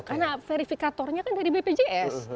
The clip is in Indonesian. karena verifikatornya kan dari bpjs